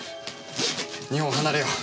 日本を離れよう。